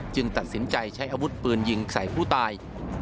ตัดสินใจใช้อาวุธปืนยิงใส่ผู้ตาย